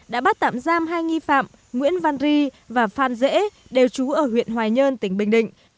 đã bắt tạm giam hai nghi phạm nguyễn văn ri và phan dễ đều trú ở huyện hoài nhơn tỉnh bình định